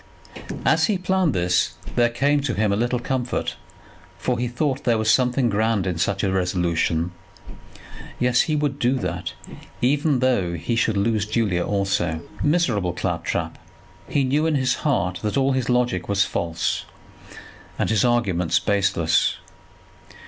As he planned this, there came to him a little comfort, for he thought there was something grand in such a resolution. Yes; he would do that, even though he should lose Julia also. Miserable clap trap! He knew in his heart that all his logic was false, and his arguments baseless.